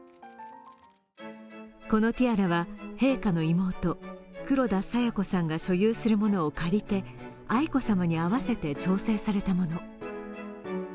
このティアラは、陛下の妹・黒田清子さんが所有するものを借りて愛子さまに合わせて調整されたもの。